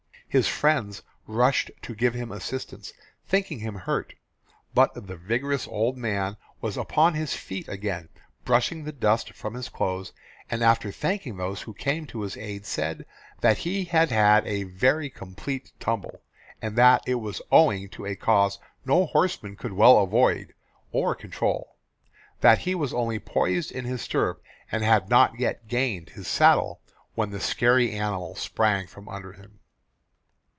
His friends rushed to give him assistance, thinking him hurt. But the vigorous old man was upon his feet again, brushing the dust from his clothes, and after thanking those who came to his aid said that he had had a very complete tumble, and that it was owing to a cause no horseman could well avoid or control that he was only poised in his stirrup, and had not yet gained his saddle when the scary animal sprang from under him.